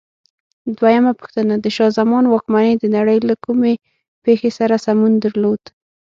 دویمه پوښتنه: د شاه زمان واکمنۍ د نړۍ له کومې پېښې سره سمون درلود؟